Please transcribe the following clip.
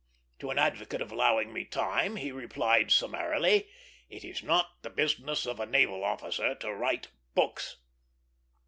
To an advocate of allowing me time, he replied, summarily, "It is not the business of a naval officer to write books."